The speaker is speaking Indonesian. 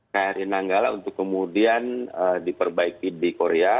kri nanggala untuk kemudian diperbaiki di korea